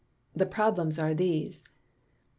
The Problems are these: 1.